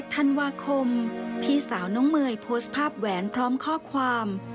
ธันวาคมพี่สาวน้องเมย์โพสต์ภาพแหวนพร้อมข้อความ